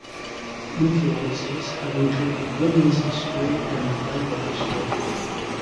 Influences have included women's history and labour history.